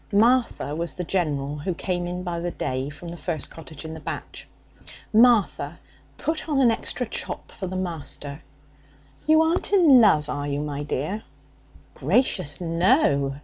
(Martha was the general who came in by the day from the first cottage in the batch) 'Martha, put on an extra chop for the master. You aren't in love, are you, my dear?' 'Gracious, no!